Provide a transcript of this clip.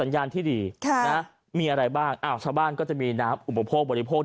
ชาวบ้านก็จะมีน้ำอุปโภคบริโภค